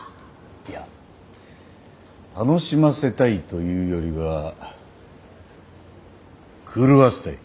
いや楽しませたいというよりは狂わせたい。